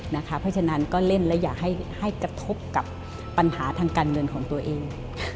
เพราะฉะนั้นก็เล่นและอย่าให้กระทบกับปัญหาทางการเงินของตัวเอง